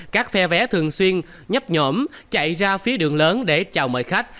các phe vé thường xuyên nhấp nhổm chạy ra phía đường lớn để chào mời khách